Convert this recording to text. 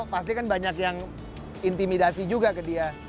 pasti kan banyak yang intimidasi juga ke dia